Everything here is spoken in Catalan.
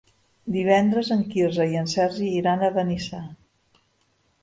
Divendres en Quirze i en Sergi iran a Benissa.